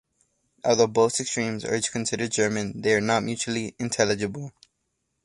Although both extremes are considered German, they are not mutually intelligible.